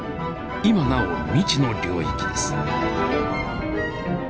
今なお未知の領域です。